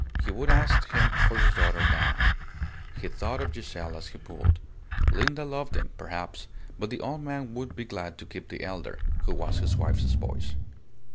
He would ask him for his daughter now. He thought of Giselle as he pulled. Linda loved him, perhaps, but the old man would be glad to keep the elder, who had his wife's voice.